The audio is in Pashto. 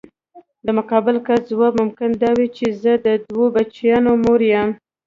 د مقابل کس ځواب ممکن دا وي چې زه د دوه بچیانو مور یم.